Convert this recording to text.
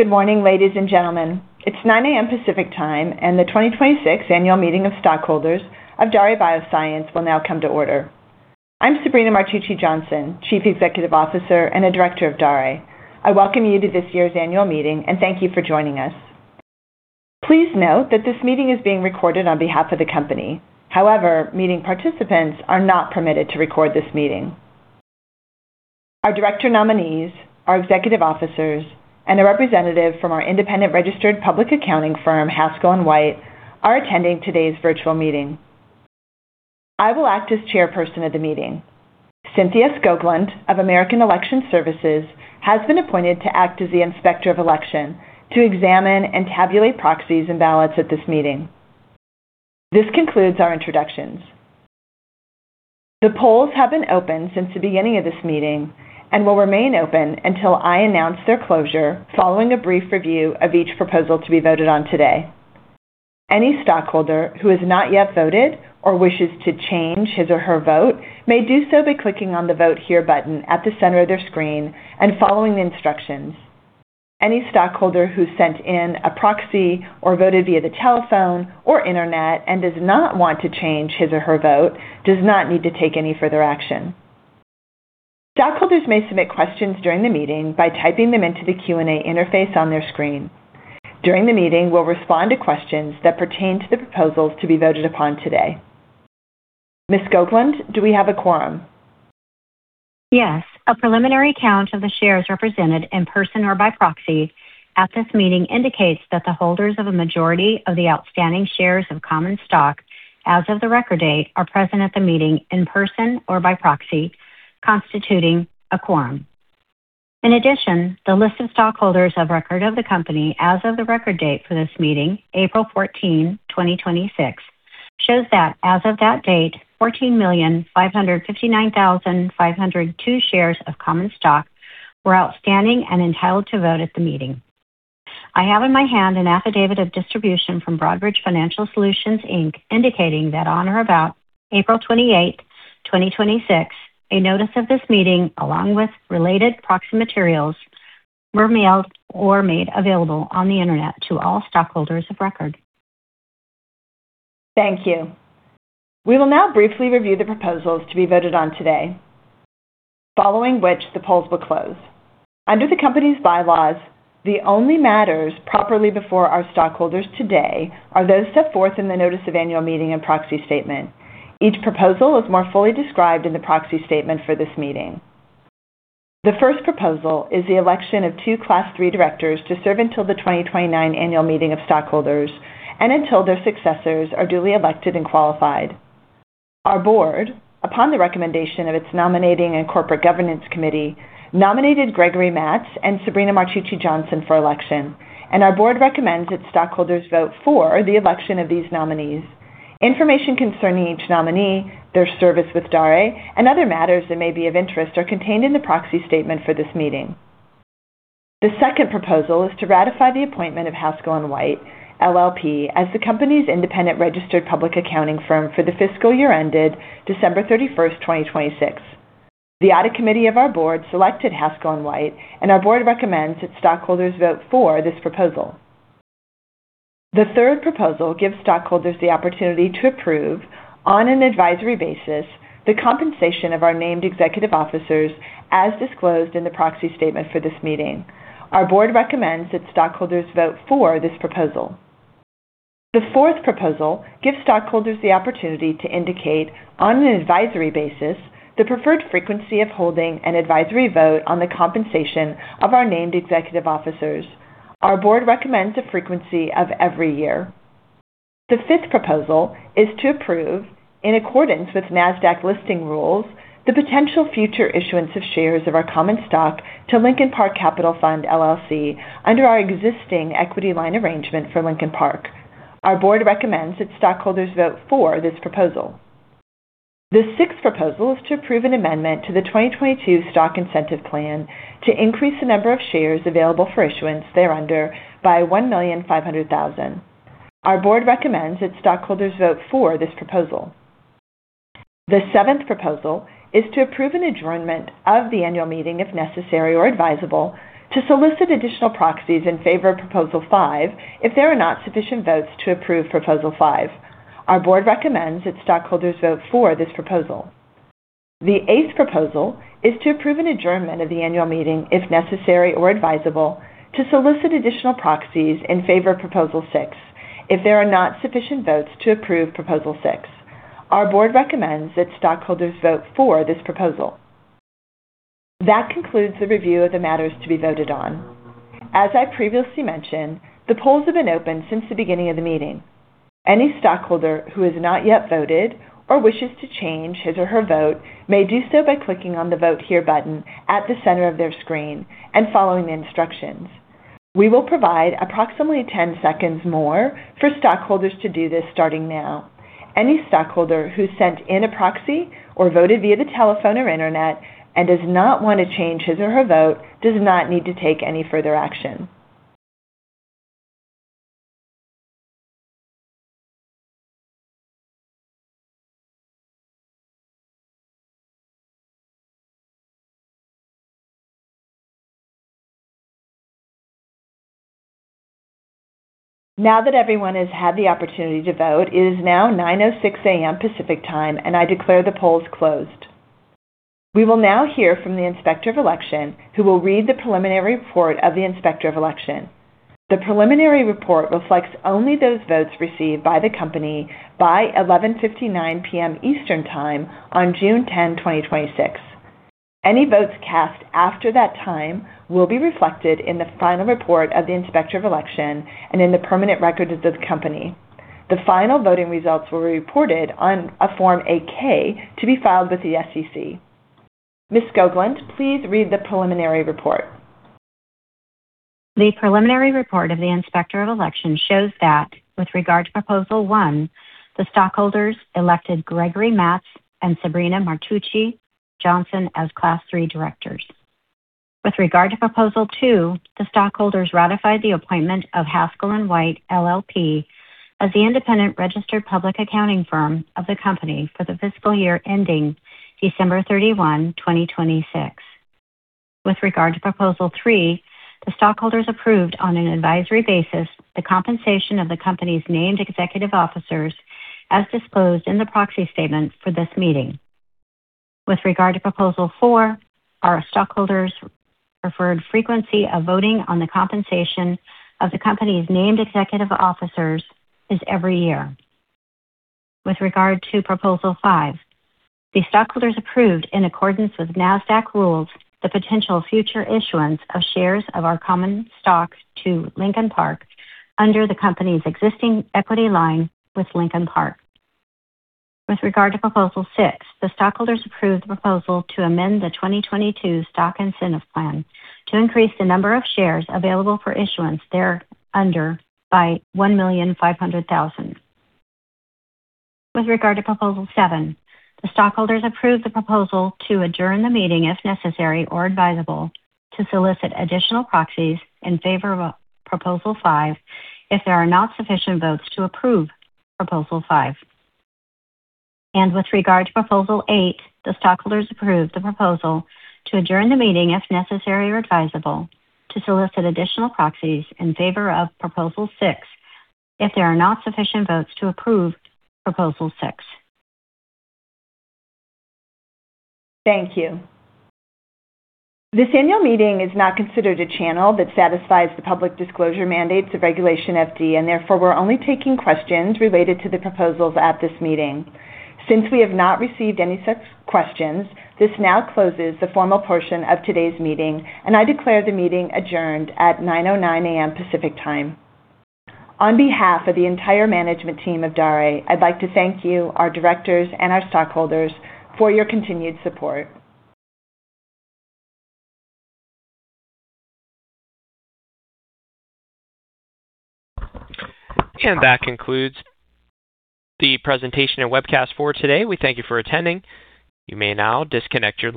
Good morning, ladies and gentlemen. It's 9:00 A.M. Pacific Time. The 2026 Annual Meeting of Stockholders of Daré Bioscience will now come to order. I'm Sabrina Martucci Johnson, Chief Executive Officer and a Director of Daré. I welcome you to this year's annual meeting and thank you for joining us. Please note that this meeting is being recorded on behalf of the company. However, meeting participants are not permitted to record this meeting. Our director nominees, our executive officers, and a representative from our independent registered public accounting firm, Haskell & White, are attending today's virtual meeting. I will act as chairperson of the meeting. Cynthia Skoglund of American Election Services has been appointed to act as the Inspector of Election to examine and tabulate proxies and ballots at this meeting. This concludes our introductions. The polls have been open since the beginning of this meeting and will remain open until I announce their closure following a brief review of each proposal to be voted on today. Any stockholder who has not yet voted or wishes to change his or her vote may do so by clicking on the Vote Here button at the center of their screen and following the instructions. Any stockholder who sent in a proxy or voted via the telephone or internet and does not want to change his or her vote does not need to take any further action. Stockholders may submit questions during the meeting by typing them into the Q&A interface on their screen. During the meeting, we'll respond to questions that pertain to the proposals to be voted upon today. Ms. Skoglund, do we have a quorum? Yes. A preliminary count of the shares represented in person or by proxy at this meeting indicates that the holders of a majority of the outstanding shares of common stock as of the record date are present at the meeting in person or by proxy, constituting a quorum. In addition, the list of stockholders of record of the company as of the record date for this meeting, April 14, 2026, shows that as of that date, 14,559,502 shares of common stock were outstanding and entitled to vote at the meeting. I have in my hand an affidavit of distribution from Broadridge Financial Solutions, Inc., indicating that on or about April 28, 2026, a notice of this meeting, along with related proxy materials, were mailed or made available on the internet to all stockholders of record. Thank you. We will now briefly review the proposals to be voted on today, following which the polls will close. Under the company's bylaws, the only matters properly before our stockholders today are those set forth in the notice of annual meeting and proxy statement. Each proposal is more fully described in the proxy statement for this meeting. The first proposal is the election of two Class III directors to serve until the 2029 annual meeting of stockholders and until their successors are duly elected and qualified. Our Board, upon the recommendation of its Nominating and Corporate Governance Committee, nominated Gregory Matz and Sabrina Martucci Johnson for election. Our Board recommends that stockholders vote for the election of these nominees. Information concerning each nominee, their service with Daré, and other matters that may be of interest are contained in the proxy statement for this meeting. The second proposal is to ratify the appointment of Haskell & White, LLP, as the company's independent registered public accounting firm for the fiscal year ended December 31st, 2026. The Audit Committee of our Board selected Haskell & White, and our Board recommends that stockholders vote for this proposal. The third proposal gives stockholders the opportunity to approve, on an advisory basis, the compensation of our named executive officers as disclosed in the proxy statement for this meeting. Our Board recommends that stockholders vote for this proposal. The fourth proposal gives stockholders the opportunity to indicate, on an advisory basis, the preferred frequency of holding an advisory vote on the compensation of our named executive officers. Our Board recommends a frequency of every year. The fifth proposal is to approve, in accordance with Nasdaq listing rules, the potential future issuance of shares of our common stock to Lincoln Park Capital Fund, LLC, under our existing equity line arrangement for Lincoln Park. Our Board recommends that stockholders vote for this proposal. The sixth proposal is to approve an amendment to the 2022 Stock Incentive Plan to increase the number of shares available for issuance thereunder by 1,500,000. Our Board recommends that stockholders vote for this proposal. The seventh proposal is to approve an adjournment of the annual meeting, if necessary or advisable, to solicit additional proxies in favor of Proposal 5, if there are not sufficient votes to approve Proposal 5. Our Board recommends that stockholders vote for this proposal. The eighth proposal is to approve an adjournment of the annual meeting, if necessary or advisable, to solicit additional proxies in favor of Proposal 6, if there are not sufficient votes to approve Proposal 6. Our Board recommends that stockholders vote for this proposal. That concludes the review of the matters to be voted on. As I previously mentioned, the polls have been open since the beginning of the meeting. Any stockholder who has not yet voted or wishes to change his or her vote may do so by clicking on the Vote Here button at the center of their screen and following the instructions. We will provide approximately 10 seconds more for stockholders to do this, starting now. Any stockholder who sent in a proxy or voted via the telephone or internet and does not want to change his or her vote does not need to take any further action. Now that everyone has had the opportunity to vote, it is now 9:06 A.M. Pacific Time, and I declare the polls closed. We will now hear from the Inspector of Election, who will read the preliminary report of the Inspector of Election. The preliminary report reflects only those votes received by the company by 11:59 P.M. Eastern Time on June 10, 2026. Any votes cast after that time will be reflected in the final report of the Inspector of Election and in the permanent records of the company. The final voting results will be reported on a Form 8-K to be filed with the SEC. Ms. Skoglund, please read the preliminary report. The preliminary report of the Inspector of Election shows that with regard to Proposal 1, the stockholders elected Gregory Matz and Sabrina Martucci Johnson as Class III directors. With regard to Proposal 2, the stockholders ratified the appointment of Haskell & White LLP as the independent registered public accounting firm of the company for the fiscal year ending December 31, 2026. With regard to Proposal 3, the stockholders approved on an advisory basis the compensation of the company's named executive officers as disclosed in the proxy statement for this meeting. With regard to Proposal 4, our stockholders preferred frequency of voting on the compensation of the company's named executive officers is every year. With regard to Proposal 5, the stockholders approved, in accordance with Nasdaq rules, the potential future issuance of shares of our common stock to Lincoln Park under the company's existing equity line with Lincoln Park. With regard to Proposal 6, the stockholders approved the proposal to amend the 2022 Stock Incentive Plan to increase the number of shares available for issuance thereunder by 1,500,000. With regard to Proposal 7, the stockholders approved the proposal to adjourn the meeting, if necessary or advisable, to solicit additional proxies in favor of Proposal 5 if there are not sufficient votes to approve Proposal 5. With regard to Proposal 8, the stockholders approved the proposal to adjourn the meeting, if necessary or advisable, to solicit additional proxies in favor of Proposal 6 if there are not sufficient votes to approve Proposal 6. Thank you. This annual meeting is not considered a channel that satisfies the public disclosure mandates of Regulation FD. Therefore, we're only taking questions related to the proposals at this meeting. Since we have not received any such questions, this now closes the formal portion of today's meeting, and I declare the meeting adjourned at 9:09 A.M. Pacific Time. On behalf of the entire management team of Daré, I'd like to thank you, our directors, and our stockholders for your continued support. That concludes the presentation and webcast for today. We thank you for attending. You may now disconnect your line